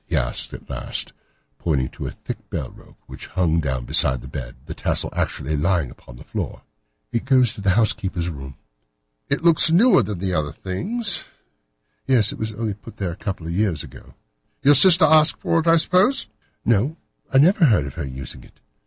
he asked at last pointing to a thick bell rope which hung down beside the bed, the tassel actually lying upon the pillow. "It goes to the housekeeper's room." "It looks newer than the other things?" "Yes, it was only put there a couple of years ago." "Your sister asked for it, I suppose?" "No, I never heard of her using it.